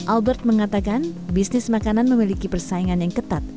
albert mengatakan bisnis makanan memiliki persaingan yang ketat